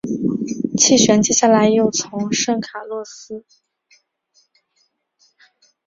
气旋接下来又从圣卡洛斯附近登陆索诺拉州。